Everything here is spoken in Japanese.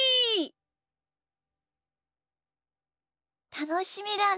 たのしみだね。